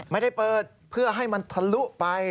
ไม่ได้เปิดเพื่อให้มันทะลุไป